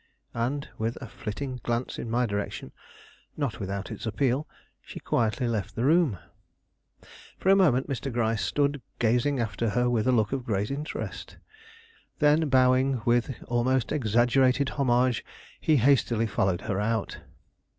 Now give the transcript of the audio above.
And, with a flitting glance in my direction, not without its appeal, she quietly left the room. For a moment Mr. Gryce stood gazing after her with a look of great interest, then, bowing with almost exaggerated homage, he hastily followed her out.